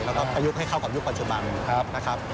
แล้วก็ประยุกต์ให้เข้ากับยุคปัจจุบันนะครับ